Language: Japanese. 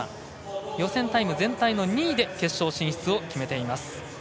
予選タイム全体の２位で決勝進出を決めています。